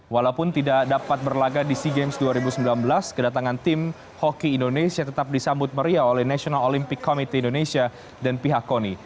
walaupun tidak dapat berlagak di sea games dua ribu sembilan belas kedatangan tim hoki indonesia tetap disambut meriah oleh national olympic committee indonesia dan pihak koni